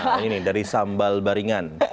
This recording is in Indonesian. nah ini nih dari sambal baringan